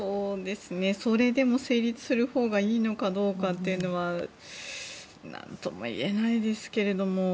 それでも成立するほうがいいのかどうかは何とも言えないですけれども。